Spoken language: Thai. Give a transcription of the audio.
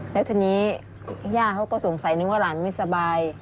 แล้วทีนี้ย่าเขาก็สงสัยนึกว่าหลานไม่สบาย